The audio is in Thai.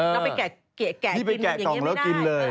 เราไปแกะกินอย่างนี้ไม่ได้